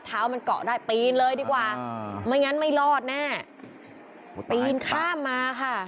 เท้ามันเกาะได้ปีนเลยดีกว่าไม่งั้นไม่รอดแน่ปีนข้ามมาค่ะ